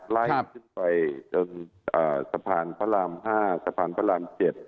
ไล่ขึ้นไปจนสะพานพระราม๕สะพานพระราม๗